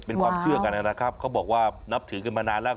เป็นความเชื่อกันนะครับเขาบอกว่านับถือกันมานานแล้ว